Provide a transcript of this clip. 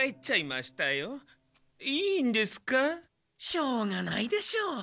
しょうがないでしょ。